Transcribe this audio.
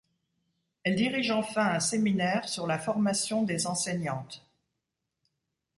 Elle dirige enfin un séminaire sur la formation des enseignantes.